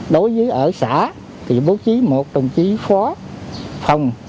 đối với ở xã thì bố trí một đồng chí phó phòng